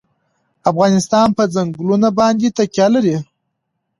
افغانستان په ځنګلونه باندې تکیه لري.